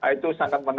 itu sangat menarik